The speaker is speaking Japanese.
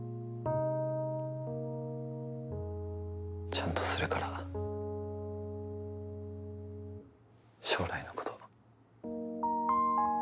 ちゃんとするから将来のこと。